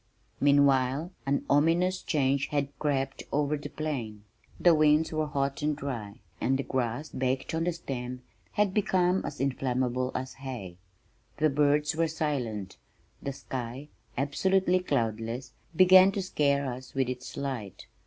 Meanwhile an ominous change had crept over the plain. The winds were hot and dry and the grass, baked on the stem, had became as inflammable as hay. The birds were silent. The sky, absolutely cloudless, began to scare us with its light.